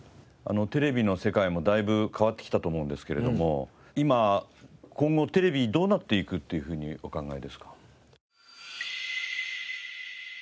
テレビの世界もだいぶ変わってきたと思うんですけれども今今後テレビどうなっていくっていうふうにお考えですか？